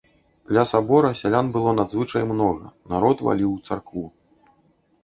Ля сабора сялян было надзвычай многа, народ валіў у царкву.